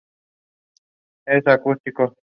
Es acuático.